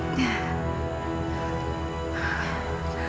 ibu dan nunda